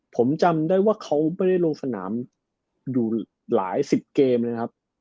ผมจำได้ว่าเขาไม่ได้ลงสนามอยู่หลายสิบเกมเลยนะครับ